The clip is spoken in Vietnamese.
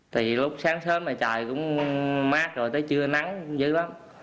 từ lúc sáng sớm trời cũng mát rồi tới trưa nắng dữ lắm